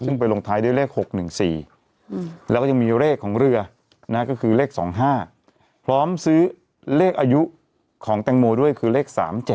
ซึ่งไปลงท้ายด้วยเลข๖๑๔แล้วก็ยังมีเลขของเรือก็คือเลข๒๕พร้อมซื้อเลขอายุของแตงโมด้วยคือเลข๓๗